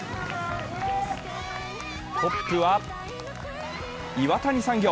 トップは岩谷産業。